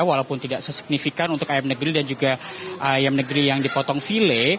walaupun tidak sesignifikan untuk ayam negeri dan juga ayam negeri yang dipotong file